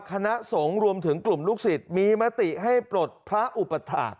คณะสงฆ์รวมถึงกลุ่มลูกศิษย์มีมติให้ปลดพระอุปถาค